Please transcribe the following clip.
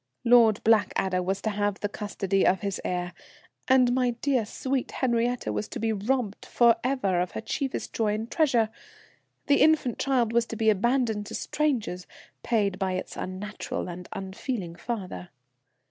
Lord Blackadder was to have the custody of his heir, and my dear sweet Henriette was to be robbed for ever of her chiefest joy and treasure. The infant child was to be abandoned to strangers, paid by its unnatural and unfeeling father.